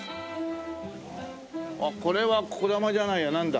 これはこだまじゃないやなんだ？